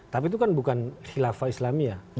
tapi itu kan bukan khilafah islamia